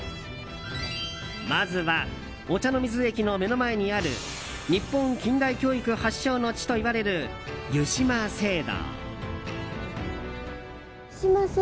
まずは御茶ノ水駅の目の前にある日本近代教育発祥の地といわれる湯島聖堂。